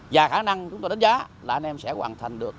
và khả năng chúng tôi đánh giá là anh em sẽ hoàn thành được